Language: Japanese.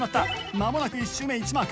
まもなく１周目１マーク。